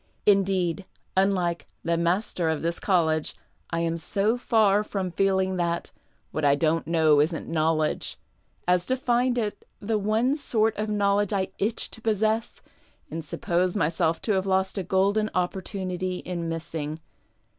Indeed, unHke '' the master of this college," I am so far from feeling that " what I don't know isn't knowledge " as to find it the one sort of knowledge I iteh to ]iossess and suppose myself to have lost a golden opportunity in missing.